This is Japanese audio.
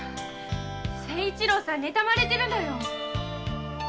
清一郎さんねたまれてるのよ。